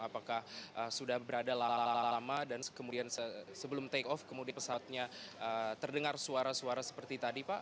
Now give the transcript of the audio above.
apakah sudah berada lama dan kemudian sebelum take off kemudian pesawatnya terdengar suara suara seperti tadi pak